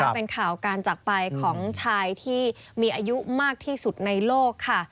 เป็นข่าวการจักรไปของชายที่มีอายุมากที่สุดในโลกค่ะ